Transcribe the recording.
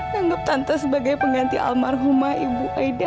nanggep tante sebagai pengganti almarhumha ibu aida